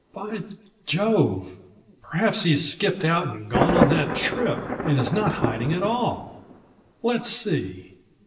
By Jove! Perhaps he's skipped out and gone on that trip and is not hiding out at all! Let's see."